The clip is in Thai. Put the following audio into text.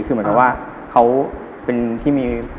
คือเหมือนกับว่าเขาเป็นที่มี